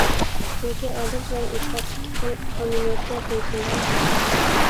چۈنكى ئادەت بىلەن ئېتىقاد ئىككى خىل قانۇنىيەتكە بويسۇنىدىغان ھادىسە.